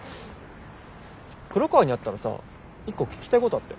黒川に会ったらさ１個聞きたいことあって。